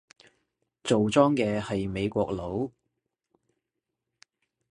做莊嘅係美國佬